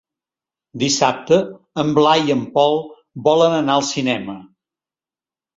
Dissabte en Blai i en Pol volen anar al cinema.